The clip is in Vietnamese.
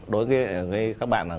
đối với các bạn là ngờ